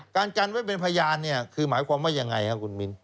การกันไว้เป็นพยานเนี่ยคือหมายความว่ายังไงครับคุณมิ้น